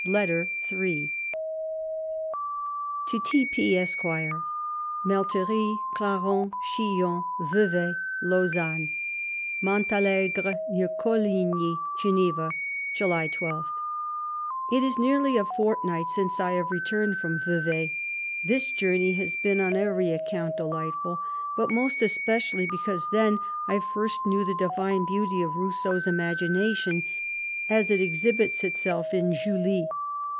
LETTER III. To T. P. Esq. MELLTERIE— CLAREN— SCHILLON— VEVAI— LAUSANNE. Montalegre., near Coligni, Geneva, July 12th. It is nearly a fortnight since I have re turned from Vevai. This journey has been *on every account delightful, but most especially, because then I first knew the divine beauty of Rousseau^s imagination, as it exhibits itself in Julie.